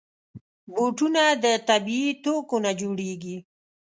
بوټونه د طبعي توکو نه جوړېږي.